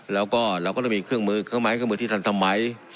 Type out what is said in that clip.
แล้วก็เราก็ต้องมีเครื่องมือเครื่องมือที่ทันสมัย